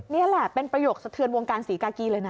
นี่แหละเป็นประโยคสะเทือนวงการศรีกากีเลยนะ